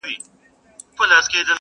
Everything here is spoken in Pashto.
دا بلي ډېوې مړې که زما خوبونه تښتوي-